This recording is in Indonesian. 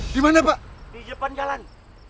di depan jalan